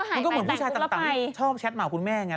มันก็เหมือนผู้ชายต่างชอบแชทมากับคุณแม่อย่างนี้